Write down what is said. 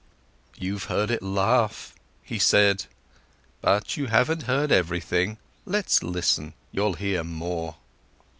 "You've heard it laugh," he said. "But you haven't heard everything. Let's listen, you'll hear more."